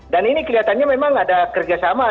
dan ini kelihatannya memang ada kerjasama